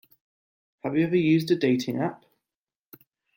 Have you ever used a dating app?